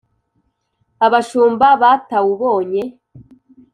Abashumba batawubonye